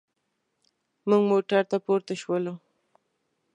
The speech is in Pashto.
موږ موټر ته پورته شولو.